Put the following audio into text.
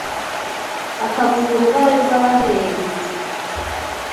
akaguha uruhare rw'abahererezi